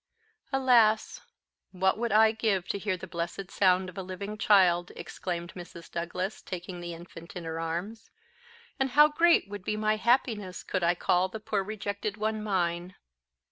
"Alas! what would I give to hear the blessed sound of a living child!" exclaimed Mrs. Douglas, taking the infant in her arms. "And how great would be my happiness could I call the poor rejected one mine!"